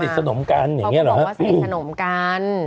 อยู่สถิดสนมกัน